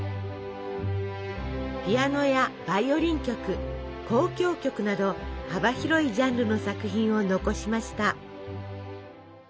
ピアノやバイオリン曲交響曲など幅広いジャンルの作品を残しました。